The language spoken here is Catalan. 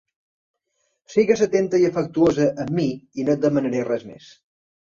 Sigues atenta i afectuosa amb mi i no et demanaré res més.